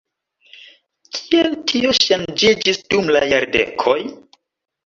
Kiel tio ŝanĝiĝis dum la jardekoj?